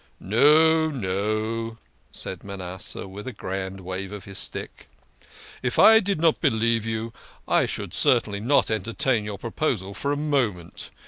"No, no," said Manasseh, with a grand wave of his stick. " If I did not believe you, I should not entertain your pro posal fpr a moment.